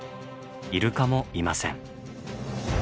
イルカもいません。